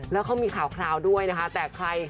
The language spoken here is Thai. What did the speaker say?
และเขามีข่าวด้วยแต่ใคร